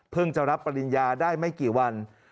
จะรับปริญญาได้ไม่กี่วัน